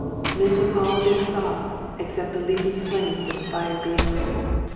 This was all Dick saw, excepting the leaping flames of the fire beyond.